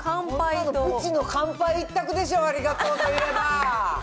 長渕の乾杯一択でしょう、ありがとうと言えば。